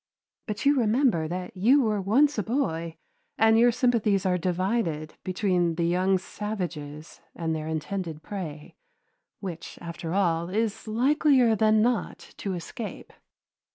But you remember that you were once a boy, and your sympathies are divided between the young savages and their intended prey, which after all is likelier than not to escape.